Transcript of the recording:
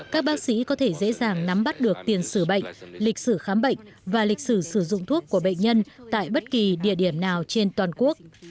các đối tượng cầm đầu